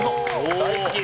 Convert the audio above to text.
大好き！